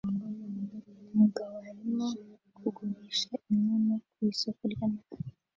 Umugabo arimo kugurisha inkona ku isoko ryamafi